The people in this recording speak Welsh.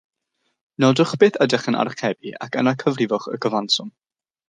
Nodwch beth ydych yn archebu ac yn cyfrifwch y cyfanswm